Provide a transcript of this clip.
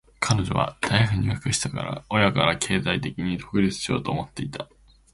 彼女は大学に入学したら、親から経済的に独立しようと思っていた。